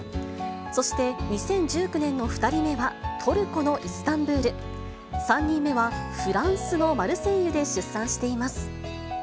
そして２０１９年の２人目は、トルコのイスタンブール、３人目はフランスのマルセイユで出産しています。